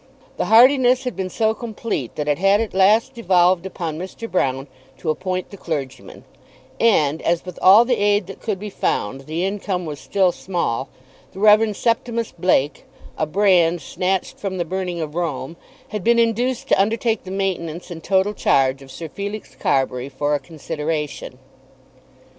The heartiness had been so complete that it had at last devolved upon Mr. Broune to appoint the clergyman; and, as with all the aid that could be found, the income was still small, the Rev. Septimus Blake, a brand snatched from the burning of Rome, had been induced to undertake the maintenance and total charge of Sir Felix Carbury for a consideration.